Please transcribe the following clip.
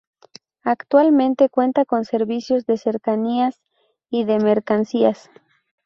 Actualmente cuenta con servicios de Cercanías y de mercancías.